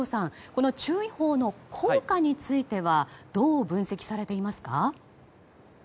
この注意報の効果についてはどう分析されていますか？